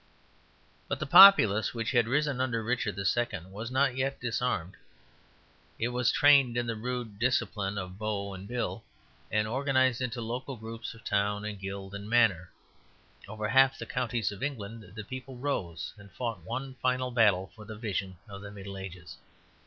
But the populace which had risen under Richard II. was not yet disarmed. It was trained in the rude discipline of bow and bill, and organized into local groups of town and guild and manor. Over half the counties of England the people rose, and fought one final battle for the vision of the Middle Ages.